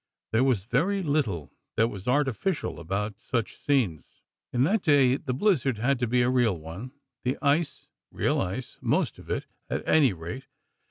There was very little that was artificial about such scenes, in that day: the blizzard had to be a real one, the ice, real ice—most of it, at any rate.